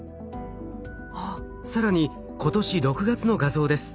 更に今年６月の画像です。